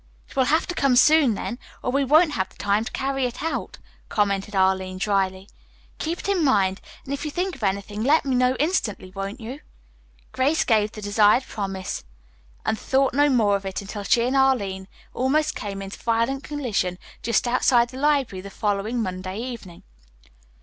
"It will have to come soon then, or we won't have the time to carry it out," commented Arline dryly. "Keep it in mind, and if you think of anything let me know instantly, won't you?" Grace gave the desired promise and thought no more of it until she and Arline almost came into violent collision just outside the library the following Monday evening.